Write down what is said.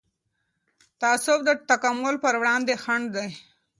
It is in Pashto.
تعصب د تکامل پر وړاندې خنډ دی